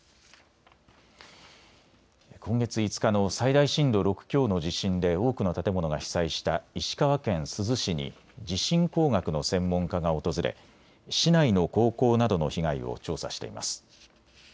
今月５日の最大震度６強の地震で多くの建物が被災した石川県珠洲市に地震工学の専門家が訪れ市内の高校などの被害を調査しています。